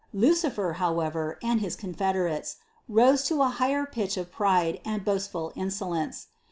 Lucifer, however, and his confederates, rose to a higher pitch of pride and boastful insolence.